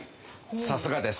さすがです。